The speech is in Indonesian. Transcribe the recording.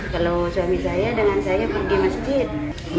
kalau suami saya dengan saya pergi masjid